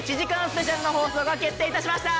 スペシャルの放送が決定致しました。